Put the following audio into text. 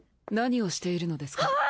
何をしているのですか？